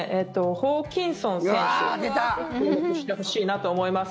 ホーキンソン選手に注目してほしいなと思います。